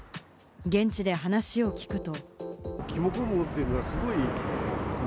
現地で話を聞くと。